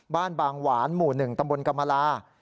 บ้านบางหวานหมู่หนึ่งตำบลกรรมลา